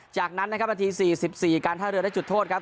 จากนั้นนะครับนาที๔๔การท่าเรือได้จุดโทษครับ